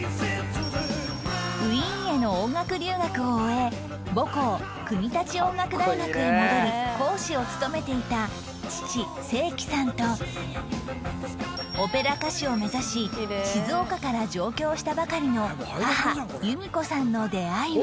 ウィーンへの音楽留学を終え母校国立音楽大学へ戻り講師を務めていた父正機さんとオペラ歌手を目指し静岡から上京したばかりの母由見子さんの出会いは